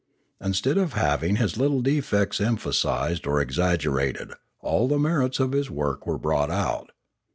Instead of having his little defects emphasised or exag gerated, all the merits of his work were brought out.